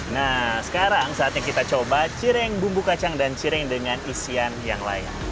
nah sekarang saatnya kita coba cireng bumbu kacang dan cireng dengan isian yang lain